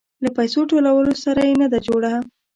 له پيسو ټولولو سره يې نه ده جوړه.